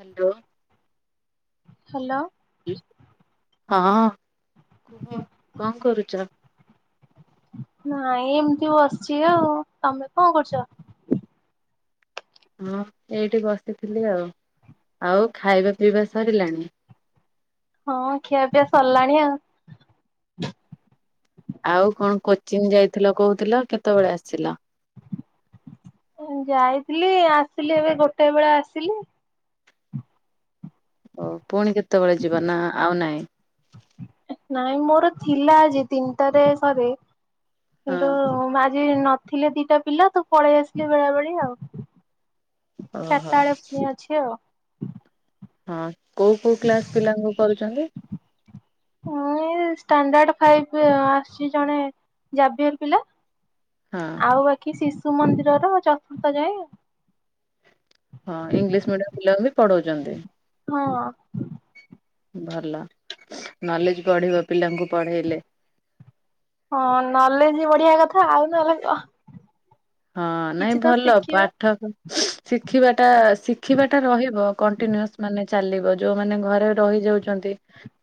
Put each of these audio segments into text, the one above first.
Hello. Hello. ହଁ, କୁହ କଣ କରୁଛ? ନାଇଁ ଏମିତି ବସିଛି ଆଉ। ତମେ କଣ କରୁଛ? ହଁ ଏଇଠି ବସିଥିଲି ଆଉ। ଆଉ ଖାଇବା ପିଇବା ସରିଲାଣି? ହଁ ଖିଆପିଆ ସରିଲାଣି ଆଉ। ଆଉ କଣ କୋଚିଂ ଯାଇଥିଲ କହୁଥିଲ କେତେବେଳେ ଆସିଲ? ଯାଇଥିଲି ଆସିଲି ଏବେ ଗୋଟେ ବେଳେ ଆସିଲି। ଓ ପୁଣି କେତେବେଳେ ଯିବା ନା ଆଉ ନାଇଁ। ନାଇଁ ମୋର ଥିଲା ଆଜି ତିନିଟାରେ ଥରେ। ହଁ କିନ୍ତୁ ଆଜି ନଥିଲେ ଦିଟା ପିଲା ତୁ ପଳେଇ ଆସିଲି ବେଳାବେଳି ଆଉ ଓହୋ ଚାରଟାବେଳେ ପୁଣି ଅଛି ଆଉ। ହଁ, କୋଉ କୋଉ କ୍ଲାସ ପିଲାଙ୍କୁ କରୁଛନ୍ତି? ହଁ ଏଇ ଷ୍ଟାଣ୍ଡାଡ଼ ଫାଇଫ ଆସିଛି ଜଣେ ଜାବିୟର ପିଲା। ହଁ ଆଉ ବାକି ଶିଶୁ ମନ୍ଦିରର ଚତୁର୍ଥ ଯାଏ। ହଁ ଇଂଲିଶ ମିଡିୟମ ପିଲାଙ୍କୁ ବି ପଢଉଛନ୍ତି? ହଁ। ଭଲ ନଲେଜ ବଢିବ ପିଲାଙ୍କୁ ପଢେଇଲେ। ହଁ ନଲେଜ ବଢିବା କଥା ଆଉ ନହଲେ କଣ? ହଁ ନାଇଁ ଭଲ ପାଠ ଶିଖିବାଟା ଶିଖିବାଟା ରହିବ କଣ୍ଟିନ୍ୟୁସ୍ ମାନେ ଚାଲିବ ଯୋଉମାନେ ଘରେ ରହି ଯାଉଛନ୍ତି।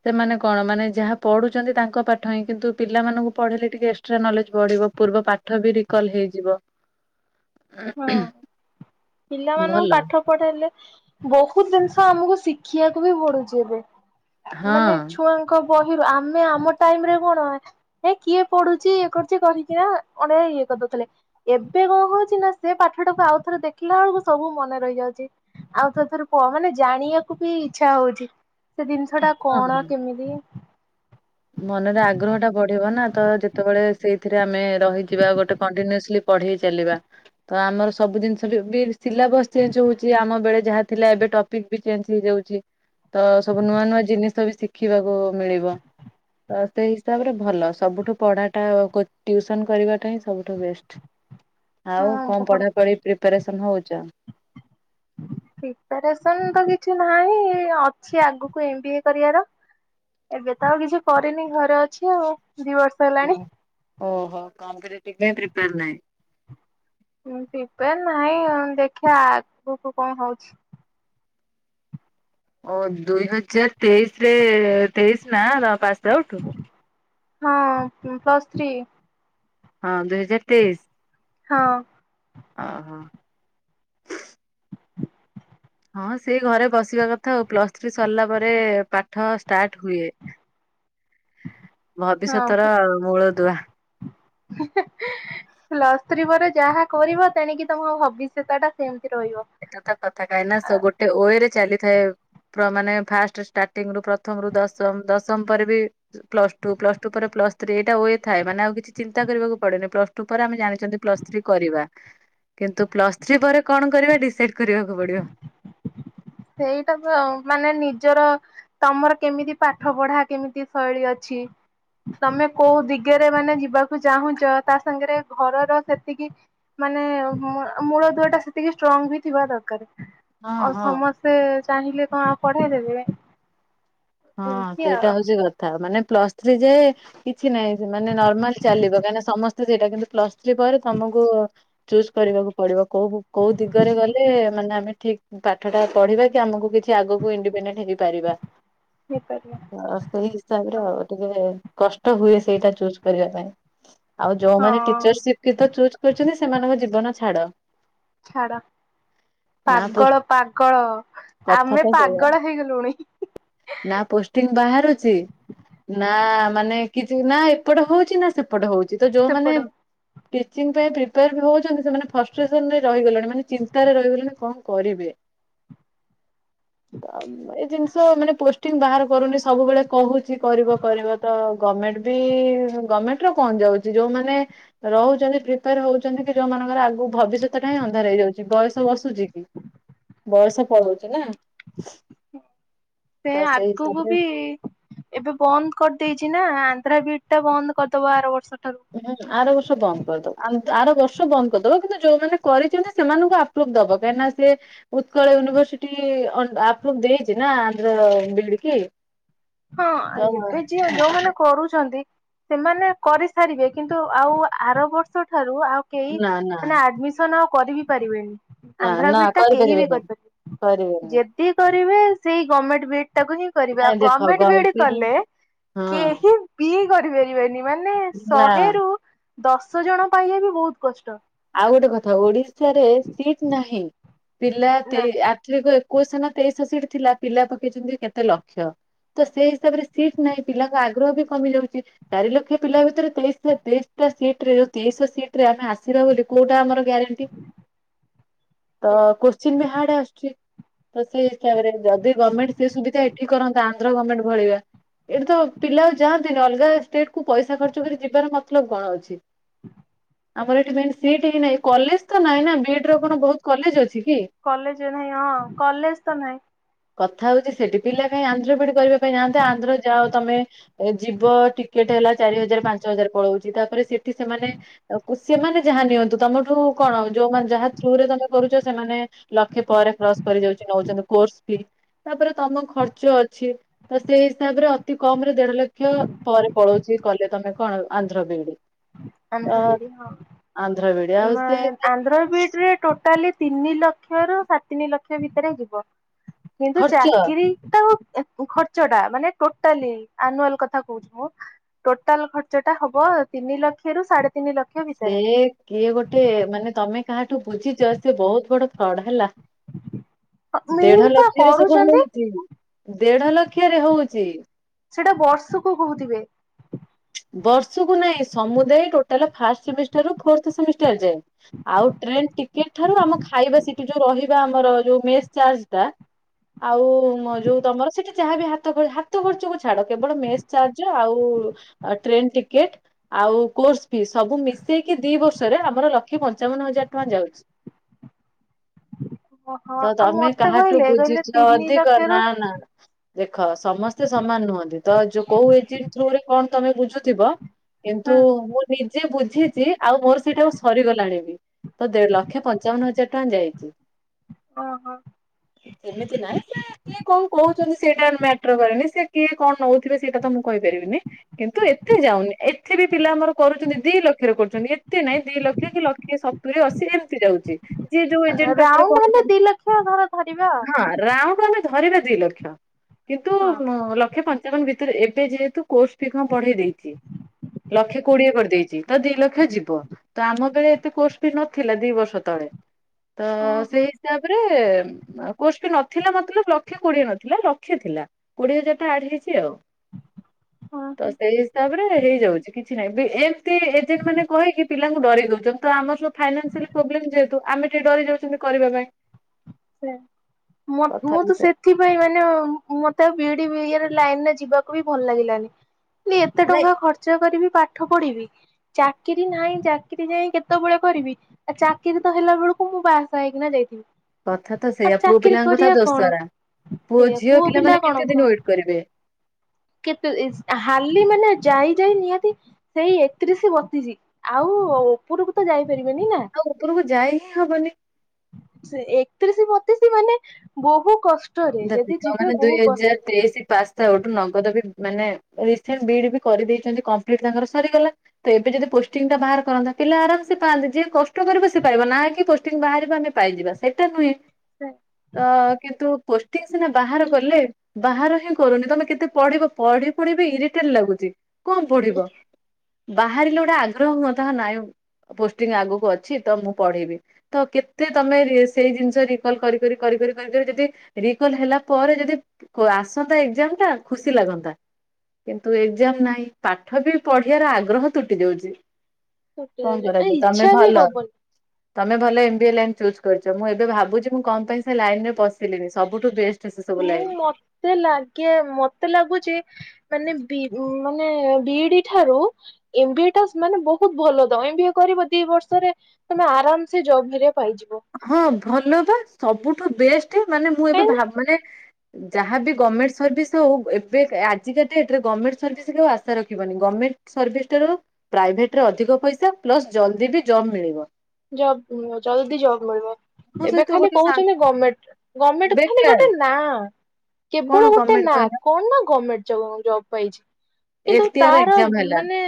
ସେମାନେ କଣ ମାନେ ଯାହା ପଢ଼ୁଛନ୍ତି ତାଙ୍କ ପାଠ ହିଁ କିନ୍ତୁ ପିଲାମାନଙ୍କୁ ପଢ଼େଇଲେ ଟିକେ ଏକ୍ସଟ୍ରା ନଲେଜ ବଢ଼ିବ। ପୂର୍ବ ପାଠ ବି ରିକଲ ହେଇଯିବ ଉଁହୁଁ। ହଁ। ପିଲାମାନଙ୍କୁ ପାଠ ପଢେଇଲେ ବହୁତ ଜିନିଷ ଆମକୁ ଶିଖିବାକୁ ବି ପଡୁଛି ଏବେ। ହଁ। ମାନେ ଛୁଆଙ୍କ ବହି ଆମେ ଆମ ଟାଇମରେ କଣ ହେ କିଏ ପଢୁଛି ଇଏ କରୁଛି କହିକିନା ଅଣଇଏ କରିଦଉଥିଲେ ଏବେ କଣ ହଉଛି ନା ସେ ପାଠଟାକୁ ଆଉ ଥରେ ଦେଖିଲା ବେଳକୁ ସବୁ ମନେ ରହିଯାଉଛି। ଆଉ ଥରେ ଥରେ କହ ମାନେ ଜାଣିବାକୁ ବି ଇଚ୍ଛା ହଉଛି। ସେ ଜିନିଷ ଟା କଣ ହଁ କେମିତି ମନରେ ଆଗ୍ରହ ଟା ବଢିବ ନା ତ ଯେତେବେଳେ ସେଇଥିରେ ଆମେ ରହିଯିବା ଗୋଟେ କଣ୍ଟିନିୟସିଲି ପଢେଇ ଚାଲିବା ତ ଆମର ସବୁ ଜିନିଷ ବି ସିଲାବସ ଚେଞ୍ଜ ହଉଛି ଆମ ବେଳେ ଯାହା ଥିଲା ଏବେ ଟପିକ ବି ଚେଞ୍ଜ ହେଇଯାଉଛି। ତ ସବୁ ନୂଆ ନୂଆ ଜିନିଷ ବି ଶିଖିବାକୁ ମିଳିବ। ତ ସେଇ ହିସାବରେ ଭଲ। ସବୁଠୁ ପଢାଟା ଟ୍ୟୁସନ କରିବାଟା ହିଁ ସବୁଠୁ ବେଷ୍ଟ। ଆଉ ହଁ କଣ ଭଲ ପଢାପଢି ପ୍ରିପାରେସନ ହଉଛ? ପ୍ରିପାରେସନ ତ କିଛି ନାହିଁ ଅଛି ଆଗକୁ ଏମବିଏ କରିବାର। ଏବେ ତ ଆଉ କିଛି କରିନି ଘରେ ଅଛି ଆଉ ଦି ବର୍ଷ ହେଲାଣି। ଓହୋ କମ୍ପିରେଟିଭି ପାଇଁ ପ୍ରିପେୟାର ନାହିଁ। ପ୍ରିପେୟାର ନାହିଁ ଦେଖିବା ଆଗକୁୁ କଣ ହଉଛି? ଓ ଦୁଇ ହଜାର ତେଇଶି ରେ ତେଇଶି ନା ପାସ ଆଉଟ? ହଁ ପ୍ଲସ୍ ଥ୍ରୀ। ହଁ ଦୁଇ ହଜାର ତେଇଶି? ହଁ। ହଁ ହଁ। ହଁ ସେଇ ଘରେ ବସିବା କଥା ଆଉ। ପ୍ଲସ ଥ୍ରୀ ସରିଲା ପରେ ପାଠ ଷ୍ଟାର୍ଟ ହୁଏ। ହଁ ଭବିଷ୍ୟତର ମୂଳଦୁଆ। [unintelligible] ପ୍ଲସ ଥ୍ରୀ ପରେ ଯାହା କରିବ ତେଣିକି ତମ ଭବିଷ୍ୟତଟା ସେମିତି ରହିବ। ଏଇଟା ତ ସତ କଥା କାହିଁକି ନା ଗୋଟେ ୱଏ ରେ ଚାଲିଥାଏ। ପୁରା ମାନେ ଫାଷ୍ଟ ଷ୍ଟାର୍ଟିଂ ରୁ ପ୍ରଥମ ରୁ ଦଶମ। ଦଶମ ପରେ ବି ପ୍ଲସ୍ ଟୁ, ପ୍ଲସ୍ ଟୁ ପରେ ପ୍ଲସ୍ ଥ୍ରୀ। ଏଇଟା ୱଏ ଥାଏ। ମାନେ ଆଉ କିଛି ଚିନ୍ତାକରିବାକୁ ପଡେନି। ପ୍ଲସ୍ ଟୁ ପରେ ଆମେ ଜାଣିଛନ୍ତି ପ୍ଲସ - ଥ୍ରୀ କରିବା କିନ୍ତୁ, ପ୍ଲସ ଥ୍ରୀ ପରେ କଣ କରିବା ଡିସାଇଡ କରିବାକୁ ପଡିବ। ସେଇଟା ତ ମାନେ ନିଜର। ତମର କେମିତି ପାଠ ପଢା କେମିତି ଶୈଳୀ ଅଛି? ତମେ କୋଉ ଦିଗରେ ମାନେ ଯିବାକୁ ଚାହୁଁଛ, ତା ସାଙ୍ଗରେ ଘରର ସେତିକି ମାନେ ମୂଳ ଦୁଆ ଟା ସେତିକି ଷ୍ଟ୍ରଙ୍ଗ ବି ଥିବା ଦରକାର। ହଁ ଆଉ ହଁ ସମସ୍ତେ ଚାହିଁଲେ କଣ ପଢେଇ ଦେବେ? ହଁ ସେଇଟା ହଉଛି କ ଥା ମାନେ ପ୍ଲସ୍ ଥ୍ରୀ ଯାଏ କିଛି ନାହିଁ ସେ ମାନେ ନର୍ମାଲ ଚାଲିବ କାହିଁକି ସମସ୍ତେ ସେଇଟା କିନ୍ତୁ ପ୍ଲସ୍ ଥ୍ରୀ ପରେ ତମକୁ ଚୁଜ କରିବାକୁ ପଡିବ କୋଉ କୋଉ ଦିଗରେ ଗଲେ ମାନେ ଆମେ ଠିକ। ପାଠ ଟା ପଢିବା କି ଆମକୁ କିଛି ଆଗକୁ ଇଣ୍ଡିପେଣ୍ଡେଣ୍ଟ ହେଇପାରିବା। ଠିକ୍ [inaudible] ଆ ସେଇ ହିସାବରେ ଆଉ ଟିକେ କଷ୍ଟ ହୁଏ ସେଇଟା ଚୁଜ କରିବା ପାଇଁ। ଆଉ ଯୋଉମାନେ ହଁ ଟିଚର୍ ସିପ୍ କି ତ ଚୁଜ କରୁଛନ୍ତି, ସେମାନଙ୍କ ଜୀବନ ଛାଡ। ଛାଡ। ନା ପୋଷ୍ଟ ପାଗଳ, ପାଗଳ କଥା ଆମେ ତ ସେଇଆ ପାଗଳ ହେଇଗଲୁଣି। ନା ପୋଷ୍ଟିଂ ବାହାରୁଛି ନା ମାନେ କିଛି ନା ଏପଟ ହଉଛି ନା ସେ ପଟ ହଉଛି ତ ସେପଟ ଯୋଉମାନେ ଟିଚିଂ ପାଇଁ ପ୍ରିପେୟାର ବି ହଉଛନ୍ତି। ସେମାନେ ଫଷ୍ଟସନରେ ରହିଗଲେଣି ମାନେ ଚିନ୍ତାରେ ରହିଗଲେଣି କଣ କରିବେ? ଏଇ ଜିନିଷ ତ ମାନେ ପୋଷ୍ଟିଂ ବାହାର କରୁନି। ସବୁବେଳେ କହୁଛି କରିବ କରିବ ତ ଗଭରମେଣ୍ଟ। ବି ଗଭର୍ଣମେଣ୍ଟ ର କଣ ଯାଉଛି? ଯୋଉମାନେ ରହୁଛନ୍ତି ପ୍ରିପେୟାର ହଉଛନ୍ତି କି ଯୋଉ ମାନଙ୍କର ଆଗକୁ ଭବିଷ୍ୟତ ଟା ହିଁ ଅନ୍ଧାର ହେଇଯାଉଛି। ବୟସ ବସୁଛି କି ବୟସ ପଳଉଛି ନା? ସେ ତ ସେଇ ଆଗକୁ ହିସାବରେ ବି ଏବେ ବନ୍ଦ କରିଦେଇଛି ନା। ଆନ୍ଧ୍ରା ବିଇଡ ଟା ବନ୍ଦ କରିଦବ ଆର ବର୍ଷ ଠାରୁ। ହଁ ଆର ବର୍ଷ ବନ୍ଦ କରିଦବ, ଆର ବର୍ଷ ବନ୍ଦ କରିଦବ, କିନ୍ତୁ ଯୋଉମାନେ କରିଛନ୍ତି ସେମାନଙ୍କୁ ଆ ଦବ କାଇଁ ନା ସିଏ ଉତ୍କଳ ୟୁନିଭରସିଟି ଆପ୍ରୁଭ ଦେଇଛି ନା ଆନ୍ଧ୍ରର ବିଡି କି। ହଁ ତ ଏବେ ଯିଏ ଯୋଉମାନେ କରୁଛନ୍ତି। ସେମାନେ କରିସାରିବେ କିନ୍ତୁ ଆଉ ଆର ବର୍ଷ ଠାରୁ ଆଉ କେହି ନା ନା ମାନେ ଆଡମିସନ ଆଉ କରି ବିି ପାରିବେନି। ନା ଆନ୍ଧ୍ରା ନା ବିଇଡି ଟା କେହି ବି କରିପାରିବେନି କରିପାରିବେନି କରିବେନି ଯେତ ଯଦି କରିବେ ସେଇ ଗମେଣ୍ଟ ବିଇଡି ଟାକୁ ହିଁ କରିବେ ଆଉ ନାଇଁ ଦେଖ ଗମେଣ୍ଟ ଆନ୍ଧ୍ର ବିଡି ଗଲତିରି କଲେ ହଁ କେହି କିଏ କରିପାରିବେନି ମାନେ ନା ଶହେରୁ ଦଶ ଜଣ ପାଇବା ବି ବହୁତ କଷ୍ଟ। ଆଉ ଗୋଟେ କଥା ଓଡିଶାରେ ସିଟ୍ ନାହିଁ ପିଲା ନା [unintelligible] ଏକୋଇସି ନା ତେଇଶି ଶହ ସିଟ୍ ଥିଲା, ପିଲା ପକେଇଛନ୍ତି କେତେ ଲକ୍ଷ। ତ ସେଇ ହିସାବରେ ସିଟ୍ ନାହିଁ ପିଲାଙ୍କ ଆଗ୍ରହ ବି କମି ଯାଉଛି। ଚାରି ଲକ୍ଷ ପିଲା ଭିତରେ ତେଇଶ ଟା ସିଟରେ ତେଇଶହ ସିଟରେ ଆମେ ଆସ ସେଇଟା ବୋଲି କୋଉଟା ଆମର ଗ୍ୟାରେଣ୍ଟି ତ ସେଇଆ। କୋସ୍ଚିନ ବି ହାର୍ଡ ଆସୁଛି। ତ ସେଇ ହିସାବରେ ଯଦି ଗମେଣ୍ଟ ସେ ସୁବିଧା ଏଠି କରନ୍ତା ଆନ୍ଧ୍ର ଗମେଣ୍ଟ ଭଳିଆ। ଏଠି ତ ପିଲା ଆଉ ଯାଆନ୍ତିନି ଅଲଗା ଷ୍ଟେଟ୍ କୁ ପଇସା ଖର୍ଚ୍ଚ କରି ଯିବାର ମତଲବ କଣ ଅଛି। ଆମର ଏଠି ମେନ୍ ସିଟ୍ ହି ନାଇଁ କଲେଜ ତ ନାଇଁ ନା ବିଡ ର କଣ ବହୁତ କଲେଜ ଅଛି କି? କଲେଜ ନାହିଁ ହଁ କଲେଜ ତ ନାହିଁ। କଥା ହଉଛି ସେଠି ପିଲା କାହିଁ ଆନ୍ଧ୍ର ବିଇଡି କରିବା ପାଇଁ ଯାଆନ୍ତେ ଆନ୍ଧ୍ର ଯାଅ ତମେ। ଯିବ ଟିକେଟ ହେଲା ଚାରି ହଜାର, ପାଞ୍ଚ ହଜାର ପଳଉଛି ତାପରେ ସେଠି ସେମାନେ ସେମାନେେ ଯାହା ନିଅନ୍ତୁ ତମର ଯଉ କଣ ଯୋଉମାନେ ଯାହା ଥ୍ରୁ ରେ ତମେ କରୁଛ ସେମାନେ ଲକ୍ଷେ ପରେ କ୍ରସ କରିଯାଉଛି ନଉଛନ୍ତି କୋର୍ସ। ତାପରେ ତମ ଖର୍ଚ୍ଚ ଅଛି। ତ ସେଇ ହିସାବ ରେ ଅତି କମ ରେ ଦେଢ ଲକ୍ଷ ପରେ ପଳଉଛି କଲେ ତମେ କଣ ଆନ୍ଧ୍ର ବିଇଡି। ଆନ୍ଧ୍ର ବିଇଡି ହଁ, ଆନ୍ଧ୍ର ବିଡି ଆଉ ସେ ଆନ୍ଧ୍ର ବିଇଡିରେ ଟୋଟ ଟାଲି ତିନି ଲକ୍ଷରୁ ସାଢେ ତିନି ଲକ୍ଷ ଭିତରେ ଯିବ। କିନ୍ତୁ ଖର୍ଚ୍ଚ ଚାକରି [unintelligible] ମାନେ ଟୋଟାଲି ଆନୁଆଲ କଥା କହୁଛି ମୁଁ ଟୋଟାଲ ଖର୍ଚ୍ଚଟା ହବ ତିନି ଲକ୍ଷରୁ ସାଢେ ତିନ ଲକ୍ଷ ଭିତରେ ସେ କିଏ ଗୋଟେ ମାନେ ତମେ କାହାଠୁ ବୁଝିଛ ସେ ବହୁତ୍ ବଡ ଫ୍ରଡ ହେଲା। ଦେଢ ମିଲ୍ ପା ଲକ୍ଷରେ ସବୁ କରୁଛନ୍ତି ହଉଛି ଦେଢ ଲକ୍ଷରେ ହଉଛି। ସେଇଟା ବର୍ଷକୁ କହୁଥିବେ। ବର୍ଷକୁ ନାଇଁ ସମୁଦାୟ ଟୋଟାଲ ଫାଷ୍ଟ ସେମିଷ୍ଟାର ରୁ ଫୋର୍ଥ ସେମିଷ୍ଟାର ଯାଏ। ଆଉ ଟ୍ରେନ ଟିକେଟ ଠାରୁ ଆମ ଖାଇବା ସେଠି ଯୋଉ ରହିବା ଆମର ଯୋଉ ମେସ ଚାର୍ଜଟା ଆଉ ମ ଯୋଉ ତମର ସେଠି ଯାହାବି ହାତ ହାତ ଖର୍ଚ୍ଚକୁ ଛାଡ କେବଳ ମେସ୍ ଚାର୍ଜ ଆଉ ଟ୍ରେନ୍ ଟିକେଟ ଆଉ କୋର୍ସ ଫି ସବୁ ମିଶେଇକି ଦି ବର୍ଷରେ ଆମର ଲକ୍ଷେ ପଞ୍ଚାବନ ହଜାର ଟଙ୍କା ଯାଉଛି। ଓହୋ ତ ଆଉ ତମେ ମତେ କାହାଠୁ କହିଲେ କହିଲେ ବୁଝିଛ ତିନି ଅଧିକ ଲକ୍ଷରୁ ନା ନା ଦେଖ ସମସ୍ତେ ସମାନ ନୁହନ୍ତି ତ ଯ କୋଉ ଏଜେଣ୍ଟ ଥ୍ରୋରେ କଣ ତମେ ବୁଝୁଥିବ? ହଁ କିନ୍ତୁ ମୁଁ ନିଜେ ବୁଝିଛି ଆଉ ମୋର ସେଇଟା ଆଉ ସରିଗଲାଣି ବି। ତ ଦେଢ ଲକ୍ଷେ ପଞ୍ଚାବନ ହଜାର ଟଙ୍କା ଯାଇଛି। ଓହୋ। ଏମିତି ନାଇଁ। କିଏ କଣ କହୁଚନ୍ତି ସେଇଟା ମ୍ୟାଟର କରେନି ସେ କିଏ କଣ ନଉଥିବେ ସେଇଟା ତ ମୁଁ କହିପାରିବିନି। କିନ୍ତୁ ଏତେ ଯାଉନି। ଏଥ ବି ପିଲା ଆମର କରୁଛନ୍ତି ଦିଇ ଲକ୍ଷରେ କରୁଚନ୍ତି ଏତେ ନହିଁ ଦିଇ ଲକ୍ଷ କି ଲକ୍ଷ ସତୁରି ଅଶୀ ଏମିତି ଯାଉଚି। ଯିଏ ଯୋଉ ଏଜେଣ୍ଟେ ପାଖ ରାଉଣ୍ଡ ହେଲେ କହୁଛନ୍ତି ଦି ଲକ୍ଷ ଧର ଧରିବା ହଁ ରାଉଣ୍ଡ ମାନେ ଧରିବା ଦିଇ ଲକ୍ଷ କିନ୍ତୁ ହଁ। ଲକ୍ଷ ପଞ୍ଚାବନ ଭିତରେ ଏବେ ଯେହେତୁ କୋସ ସିଏ କଣ ପଢେଇ ଦେଇଛି ଲକ୍ଷେ କୋଡିଏ କରିଦେଇଚି ତ ଦିଇ ଲକ୍ଷ ଯିବ। ତ ଆମ ବେଳେ ଏତେ କୋର୍ସ ବି ନଥିଲା ଦିଇ ବର୍ଷ ତଳେ ତ ଓହୋ ସେଇ ହିସାବରେ କୋର୍ସ ବି ନଥିଲା ମତଲବ ଲକ୍ଷେ କୋଡିଏ ନଥିଲା ଲକ୍ଷେ ଥିଲା। କୋଡିଏ ହଜାର ଟା ଆଡେ ହେଇଛି ଆଉ। ହଁ ତ ହଁ। ସେଇ ହିସାରେ ହେଇଯାଉଚି କିଛି ନାହିଁ ଏମିତି ଇଯେଣ୍ଟେ ମାନେ କହିକି ପିଲାଙ୍କୁ ଡରି ଦୋଉଚନ୍ତି ତ ଆମର ସବୁ ଫାଇନାନ୍ସିଆଲି ପ୍ରବ୍ଲେ ଯେହେତୁ ଆମେ ଟିକେ ଡରି ଯାଉଚନ୍ତି କରିବା ପାଇଁ। ସେ ମ ମୁଁ ତ ସେ ସେଥିପାଇଁ ମାନେ ମତେ ବିଡି ଇଏ ରେ ଲାଇନରେ ଯିବାକୁ ବି ଭଲ ଲାଗିଲାନି। ଏତେ ନାଇଁ ଟଙ୍କା ଖର୍ଚ୍ଚ କରିବି ପାଠ ପଢିବି ଚାକିରି ନାହିଁ ଚାକିରି ଯାଇ କେତେବେଳେ କରିବି ଆଉ ଚାକିରି ତ ହେଲା ବେଳକୁ ମୁଁ ବାହା ଆସା ହେଇକିନା ଯାଇଥିବି। କଥା ତ ଆଉ ସେଇୟଆ ପୁଅ ଚାକିରି ପିଲାଙ୍କ କଥା କରିବା କଣ ଦୋସହରା ପୁଅ ସେଇଆ ଝିଅ ପିଲା ପିଲାମାନୋନେ କେତେ ଦିନ ୱେଟ କରିବେ। କେତୁ ଇଶି ହାଲି ମାନେ ଯାଇ ଯାଇ ନିହାତି ସେଇ ଏକତିରିଶି ବତିଶି ଆଉ ଉପରକୁ ତ ଯାଇପାରିବେନି ନା। ଆଉ ଉପରକୁ ଯାଇ ହିଁ ହବନି। ଏକତିରିଶି ବତିଶି ମାନେ ବୋହୁ କଷ୍ଟ ଦେଖନ୍ତୁ ତାମାନେ ଦୁଇ ହଜାର ତେଇଶି ପାସ ସେଇଠୁ ନଗଦ ବି ମାନେ ରିସେଣ୍ଡେ ବି ଡି କରିଦେଇଚନ୍ତି କମ୍ପ୍ଲିଡ୍ ତାଙ୍କର ସରିଗଲା। ତ ଏବେ ଯଦି ପୋଷ୍ଟଙ୍ଗି ଟା ବାହାର କରନ୍ତା ପିଲା ଆରାମସେ ପାଆନ୍ତେ ଯିଏ କଷ୍ଟ କରିବ ସେ ପାଇବା ନା କି ପୋଷ୍ଟଙ୍ଗୀ ବାହାରିବ ଆମେ ପାଇଯିବା ସେଇଟା ନୁହେଁ ତ କିନ୍ତୁ ପୋଷ୍ଟୀଙ୍ଗ ସିନା ବାହାର କଲେ ବାହର ହିଁ କରୁନି ତମେ କେତେ ପଢିବ ପଢି ପଢିବି ଇରିଟେଟ ଲାଗୁଛି। କଣ ପଢିବ ବାହାରିଲେ ଗୋଟେ ଆଗ୍ରହ ହୁଅ ତାହା ନାଇଁ ପୋଷ୍ଟିଂ ଆଗକୁ ଅଛି ତ ମୁଁ ପଢେଇିବି। ତ କେତେ ତମେ ସେଇ ଜିନିଷ ରିକଲ କରି କରି କରି କରି କରି କରି ଯଦି ରିକଲ ହେଲା ପରେ ଯଦି ଆସନ୍ତା ଏଜାମ ଟା ଖୁସି ଲାଗନ୍ତା। କିନ୍ତୁ ଏକ୍ଜାମ ନାହିଁ ପାଠ ବି ପଢିବାର ଆଗ୍ରହ ତୁଟି ଯାଉଚି। କଣ ଏ କରାଯିବ ତମେ ଇଚ୍ଛା ବି ଭଲ। ହବନି ତମେ ଭଲ M B A line choose କରିଚ ମୁଁ ଏବେ ଭାବୁଛି ମୁଁ କଣ ପାଇଁ ସେ ଲାଇନ ରେ ପଶିଲିିନି। ସବୁଠୁ ବେଷ୍ଟ ସେ ସବୁ ଲାଇନ୍। ସିଏ ଲାଗେ ମତେ ଲାଗୁଚି ମାନେ ବି ମାନେ ବିଡି ଠାରୁ ଏମବି ଏ ଟା ମାନେ ବୋହୁତ ଭଲ ତ ଏମ ବି ଏ କରିବ ଦିଇ ବର୍ଷରେ ତମେ ଆରାମ ସେ ଜଭହରୀକା ପାଇଯିବ। ହଁ ଭଲ ବା ସବୁଠୁ ବେଷ୍ଟ ମାନେ ମୁଁ ଏବେ କାହିଁକି ନା ଭା ମାନେ ଯାହାବି ଗଭର୍ଣ୍ଣମେଣ୍ଟ ସର୍ଭିସ ହୋଉ ଏବେ ଆଜିକା ଡେଟରେ ଗଭର୍ଣ୍ମେଣ୍ଟ ସର୍ଭିସ୍ କୁ ଆାଉ ଆଶା ରଖିବନି। ଗଭର୍ଣ୍ଣମେଣ୍ଟ ସର୍ଭିସ ଠାରୁ ପ୍ରାଇଭେଟରେ ଅଧିକ ପଇସା ପ୍ଲସ ଜଲ୍ଦି ବି ଜବ ମିଳିବ। ଜବ୍ ମିଳିବ ଜଲ୍ଦି ଜବ୍ ମିଳିବ। ମୋ ଏବେ ସହିତ ଖାଲି ଗୋଟେ ସାଙ୍ଗ କୋହୁଚନ୍ତି ଗମେଣ୍ଟ ଗଣମେଣ୍ଟ ଖାଲି ବେକାର ଗୋଟେ ନାଁ। କଣ କେବଳ ଗୋଟେ ଗଭର୍ଣ୍ଣମେଣ୍ଟ ନା କହିଲା କଣ ନା ଗମେଣ୍ଟ ଜବ ଜବ ପାଇଛି। ଏଲ କିନ୍ତୁ ଟି ଆର ତାର ଏକ୍ଜାମ ହେଲା ମାନେ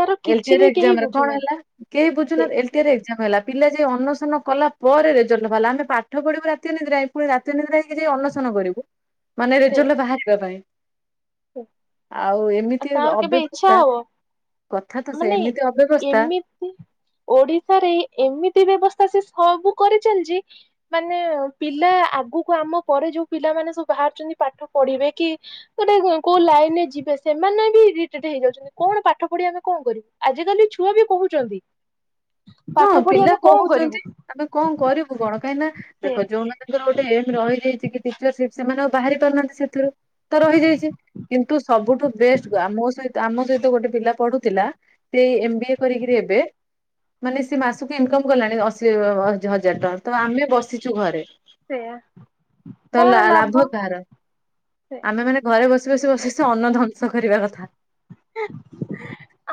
ତାର ଏଲ ଟି କିଛି ଆର ବି ଏକ୍ଜାମ କେହି ରେ କଣ ବୁଝୁନାଁନ୍ତି। ହେଲା କେହି ବୁଝୁନାହାନ୍ତି ଏଲଟିଏ ରେ ଏଗଜାମ ହେଲା। ପିଲା ଯାଇ ଅନସନ କଲା ପରେ ରେଜଲ୍ଟ ବାହାରଲା ଆମେ ପାଠ ପଢିବୁ ରାତି ଅନିଦ୍ରା ହେଇ ପୁଣି ରାତି ଅନିଦ୍ରା ହେଇକି ଯାଇ ଅନଶନ କରିବୁ। ମାନେ ରେଜଲଟ ବାହାରିବା ପାଇଁ। [unintelligible] ଆଉ ଏମିତି କାହାର କେବେ ଇଚ୍ଛା ଅବ୍ୟବସ୍ଥା ହବ କଥା ତ ସେ ମାନେ ଏମିତି ଅବ୍ୟବସ୍ଥା। ଏମିତି ଓଡିଶାରେ ଏମିତି ବ୍ୟବସ୍ଥା ସେ ସବୁ କରିଚାଲିଛି। ମାନେ ପିଲା ଆଗକୁ ଆମ ପରେ ଯୋଉ ପିଲାମାନେ ସବୁ ବାହାରୁଛନ୍ତି ପାଠ ପଢିବେ କି ଗୋଟେ କୋଉ ଲାଇନରେ ଯିବେ ସେମାନେ ବି ଇରିଟେଟ ହେଇଯାଉଛନ୍ତି କଣ ପାଠ ପଢି ଆମେ କଣ କରିବୁ। ଆଜିକାଲି ଛୁଆ ବି କହୁଛନ୍ତି। ହଁ ପାଠ ପଢି ପିଲା ଆମେ କଣ କରିବୁ କହୁଛନ୍ତି ଆମେ କଁ କରିବୁ କଣ କାହିଁକି ନା ସେ ଦେଖ ଯଉନା ତାଙ୍କର ଗୋଟେ ଏମ ରହିଯାଇଛି କି ଟିଚରସିପ ସେମାନେ ଆଉ ବାହାରି ପାରୁନାହାନ୍ତି ସେଥିରୁ। ତ ରହିଯାଇଛି କିନ୍ତୁ ସବୁଠୁ ବେଷ୍ଟ ଆ ମୋ ସହି ଆମ ସହିତ ଗୋଟେ ପିଲା ପଢୁଥିଲା ସେଇ ଏମ ବି ଏ କରିକିରି ଏବେ ମାନେ ସେ ମାସକୁ ଇନକମ କଲାଣି ଅଶୀ ହଜାର ଟଙ୍କା ତ ଆମେ ବସିଚୁ ଘରେ। ସେୟା ତ ଲ ଲାଭ କାହାର? ସେ ଆମେ ମାନେ ଘରେ ବସି ବସି ବସି ବସି ଅନ୍ନ ଧ୍ବଂସ କରିବା କଥା।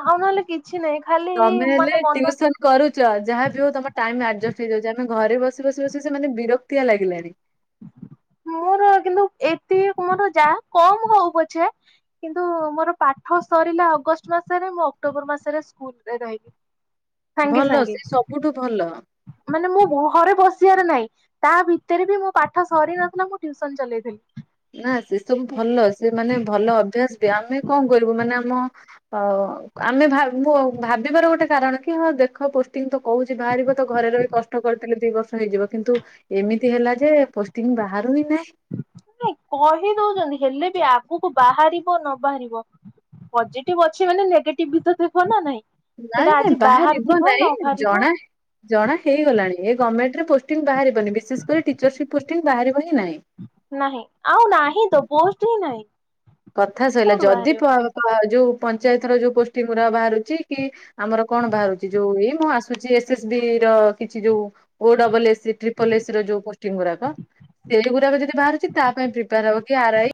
ଆଉ ନହେଲେ କିଛି ନାହିଁ। ଖାଲି ତମେ ହେଲେ ମାନେ ମନ ଟିଉସନ କରୁଚ ଯାହାବି ହଉ ତମ ଟାଇମ ଆଡଜଷ୍ଟ ହେଇଯାଉଛି ଆମେ ଘରେ ବସି ବସି ବସି ସେମାନେ ବିରକ୍ତି ତିଆ ଲାଗିଲାଣି। [inaudible] ଏତେ କମର ଯା କମ ହଉ ପଛେ। କିନ୍ତୁ ମୋର ପାଠ ସରିଲା ଅଗଷ୍ଟ ମାସରେ ମୁଁ ଅକ୍ଟୋବର ମାସରେ ସ୍କୁଲ ରେ ରହିିକି ଭଲ ସେ ସବୁଠୁ ଭଲ। ମାନେ ମୁଁ ଘରେ ବସିବାର ନାହିଁ ତା ଭିତରେ ବି ମୁଁ ପାଠ ସରି ନ ଥିଲା ମୁଁ ଟୀୟୁସନ ଚଲେଇଥିଲି। ନା ସେ ସବୁ ଭଲ ସେ ମାନେ ଭଲ ଅଭ୍ୟାସ ବି ଆମେ କଣ କରିବୁ ମାନେ ଆମ ହଉ ଆମେ ମୁଁ ଭାବିବାର ଗୋଟେ କାରଣ କି ହଁ ଦେଖ ପୋଷ୍ଟିଙ୍ଗ ତ କହୁଛି ବାହାରିବ ତ ଘରେ ରହି ବି କଷ୍ଟ କରିଥିଲି ଦିଇ ବର୍ଷ ହେଇଯିବ କିନ୍ତୁ ଏମିତି ହେଲା ଯେ ପୋଷ୍ଟି ବାହାରୁ ହିଁ ନାହିଁ। ନାଇଁ କହି ଦଉଛନ୍ତି ହେଲେ ବି ଆଗକୁ ବାହାରିବ ନ ବାହାରିବ। ପଜିଟିଭ୍ ଅଛି ମାନେ ନେଗେଟିଭ ବି ତ ଥିବ ନା ନାଇଁ। ନାଇଁ ସେଇଟା ଆଜି ନାଇଁ ବାହାରିବ ବାହାରିଥିବ ନ ନାଇଁ ବାହାରିବ ଜଣା ଜଣା ହେଇଗଲାଣି ଏ ଗମେଣ୍ଟରେ ପୋଷ୍ଟୀଙ୍ଗ ବାହାରିବନି ବିଶେଷ କରି ଟିଚରସିପ୍ ପୋଷ୍ଟିଂ ବାହାରିବ ହିଁ ନାହିଁ। ନାହିଁ ଆଉ ନାହିଁ ତ ପୋଷ୍ଟ ହିଁ ନାହିଁ। କଥା ସଇଲା କୋଉଠୁ ଯଦି ବାହାରିବ। ପ ଯୋଉ ପଞ୍ଚାୟତ ର ଯୋଉ ପୋଷ୍ଟିଂ ବାହାରୁଛି କି ଆମର କଣ ବାହାରୁଛି ଯୋଉ ଏଇ ମୁଁ ଆସୁଛି ଏସ ଏସ୍ ବି ର କିଛି ଯୋଉ ଓ ଡବଲ ଏସି ଟ୍ରିପଲ ଏସି ର ଯୋଉ ପୋଷ୍ଟିଂ ଗୁରାକ ସେଇଗୁରାକ ଯଦି ବାହାରୁଛି ତା ପାଇଁ ପ୍ରିପେୟାର ହବ। କି ଆର୍ ଆଇ।